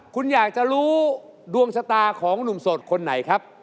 คุณอยากจะรู้ดวงชะตาของหนุ่มโสดคนไหนครับ